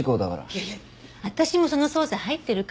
いやいや私もその捜査入ってるから。